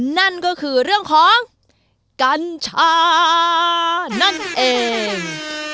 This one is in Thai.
นั่นก็คือเรื่องของกัญชานั่นเอง